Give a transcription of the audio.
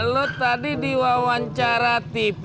lu tadi diwawancara tv